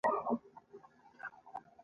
هر عرب خریدار شوۍ، زمونږ د خوندو او خور لڼو